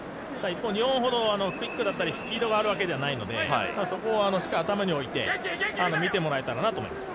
一方、日本ほどクイックだったりスピードがあるわけではないのでそこをしっかり頭に置いて見てもらえたらなと思います。